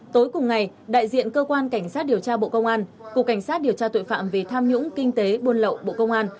tối cùng ngày đại diện cơ quan cảnh sát điều tra bộ công an cục cảnh sát điều tra tội phạm về tham nhũng kinh tế buôn lậu bộ công an